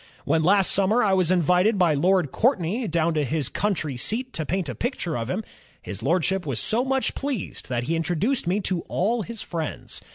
When last sxunmer I was invited by Lord Courtney down to his country seat to paint a picture of him, ... His Lordship was so much pleased that he introduced me to all his friends.